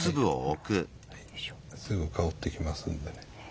すぐ香ってきますんで。